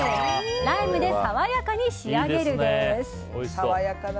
ライムでさわやかに仕上げるです。